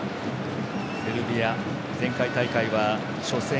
セルビア、前回大会は初戦